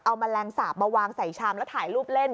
เอาแมลงสาปมาวางใส่ชามแล้วถ่ายรูปเล่น